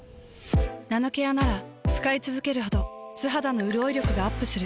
ナノケアなら使いつづけるほど素肌のうるおい力がアップする。